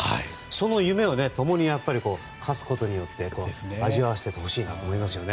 その夢を共に勝つことによって味合わせてもらいたいなと思いますね。